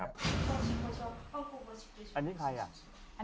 อันนี้ใครอ่ะ